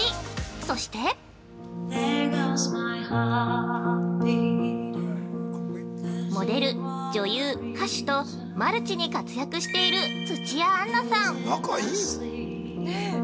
そしてモデル、女優、歌手とマルチに活躍している土屋アンナさん。